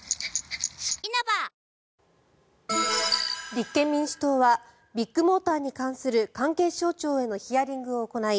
立憲民主党はビッグモーターに関する関係省庁へのヒアリングを行い